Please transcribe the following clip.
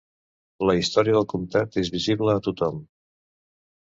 La història del comtat és visible a tothom.